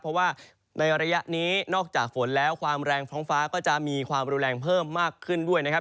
เพราะว่าในระยะนี้นอกจากฝนแล้วความแรงท้องฟ้าก็จะมีความรุนแรงเพิ่มมากขึ้นด้วยนะครับ